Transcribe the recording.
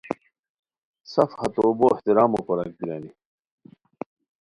سف ہتو بو احترامو کورک بیرانی